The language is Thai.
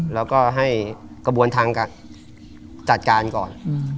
แล้วก็ให้กระบวนทางจัดการก่อน